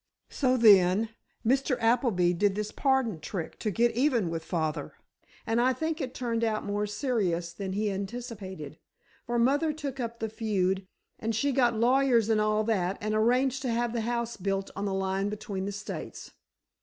So, then, Mr. Appleby did this pardon trick to get even with father, and I think it turned out more serious than he anticipated. For mother took up the feud, and she got lawyers and all that and arranged to have the house built on the line between the states!"